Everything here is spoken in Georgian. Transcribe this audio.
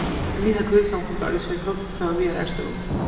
მისი ადრეული სამხედრო კარიერის შესახებ ცნობები არ არსებობს.